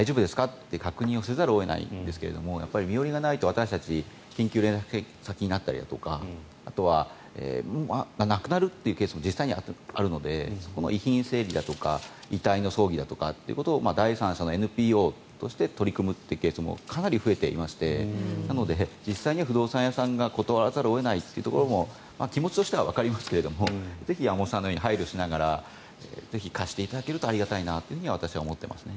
って確認をせざるを得ないんですが身寄りがないと、私たちが緊急連絡先になったりだとかあとは亡くなるというケースも実際にはあるので遺品整理だとか遺体の葬儀だとかということを第三者のＮＰＯとして取り組むケースもかなり増えていましてなので、実際には不動産屋さんが断らざるを得ないというところも気持ちとしてはわかりますけどもぜひ山本さんのように配慮しながらぜひ貸していただけるとありがたいなと私は思っていますね。